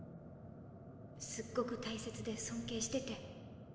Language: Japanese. すごく大切で尊敬してて。